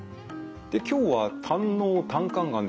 で今日は胆のう・胆管がんです。